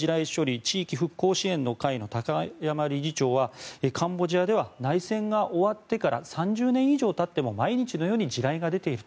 ・地域復興支援の会の高山理事長はカンボジアでは内戦が終わってから３０年以上たっても毎日のように地雷が出ていると。